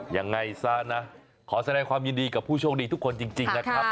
ยังไงซะนะขอแสดงความยินดีกับผู้โชคดีทุกคนจริงนะครับ